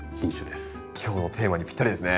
今日のテーマにぴったりですね。